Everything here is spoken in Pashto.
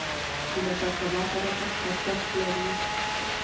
د مشرتابه صداقت ارزښت لري